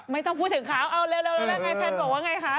ไม่ต้องพูดถึงเขาเอาเร็วแล้วไงแฟนบอกว่าไงคะ